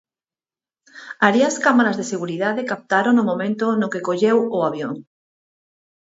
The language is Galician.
Alí as cámaras de seguridade captaron o momento no que colleu o avión.